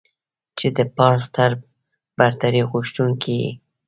چې د پارس تر برتري غوښتونکو يې.